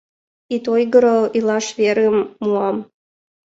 Ит ойгыро, илаш верым муам.